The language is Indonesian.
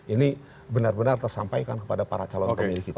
ini benar benar tersampaikan kepada para calon pemilik itu